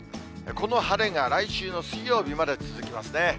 この晴れが来週の水曜日まで続きますね。